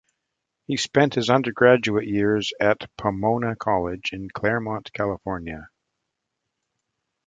He spent his undergraduate years at Pomona College in Claremont, California.